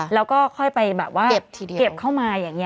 แล้วก็ค่อยไปแบบว่าเก็บเข้ามาอย่างนี้